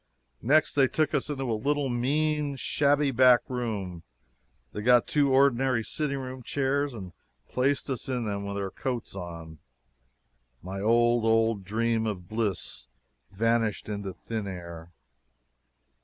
Next they took us into a little mean, shabby back room; they got two ordinary sitting room chairs and placed us in them with our coats on. My old, old dream of bliss vanished into thin air!